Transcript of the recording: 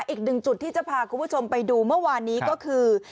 อีกหนึ่งจุดที่จะพาคุณผู้ชมไปดูเมื่อวานนี้ก็คือ